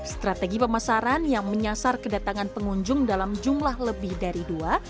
strategi pemasaran yang menyasar kedatangan pengunjung dalam jumlah lebih dari dua